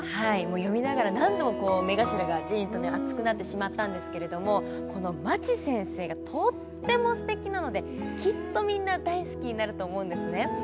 読みながら何度も目頭がジーンと熱くなってしまったんですけれどもこのマチ先生がとってもすてきなのできっとみんな大好きになると思うんですね。